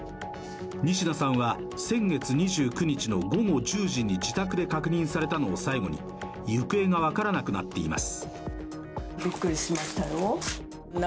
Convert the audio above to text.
仁科さんは先月２９日の午後１０時に自宅で確認されたのを最後に行方がわからなくなっています。